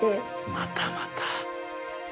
またまた。